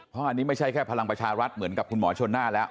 เพราะอันนี้ไม่ใช่แค่พลังประชารัฐเหมือนกับคุณหมอชนหน้าแล้ว